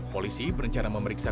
polisi berencana memeriksa